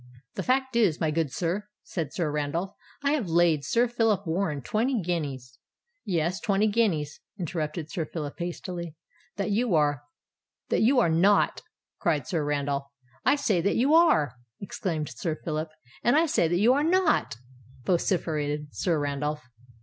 "The fact is, my good sir," said Sir Randolph, "I have laid Sir Phillip Warren twenty guineas——" "Yes—twenty guineas," interrupted Sir Phillip hastily, "that you are——" "That you are not——" cried Sir Randolph. "I say that you are!" exclaimed Sir Phillip. "And I say that you are not!" vociferated Sir Randolph.